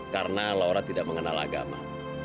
karena laura tidak mengenal agama